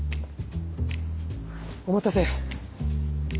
お待たせ。